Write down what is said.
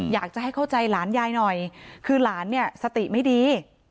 อยากจะให้เข้าใจหลานยายหน่อยคือหลานเนี่ยสติไม่ดี